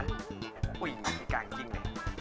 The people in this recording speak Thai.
พวกผู้หญิงมีที่การกินเลย